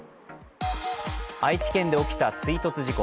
愛知県で起きた追突事故。